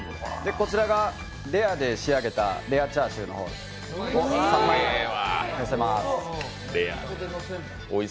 こちらがレアで仕上げたレアチャーシューです、３枚のせます。